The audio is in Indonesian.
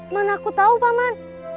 mana aku tau paman